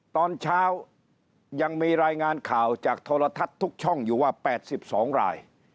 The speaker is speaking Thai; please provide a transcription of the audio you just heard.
ตอนเช้ายังมีรายงานข่าวจากโทรทัศน์ทุกช่องอยู่ว่า๘๒ราย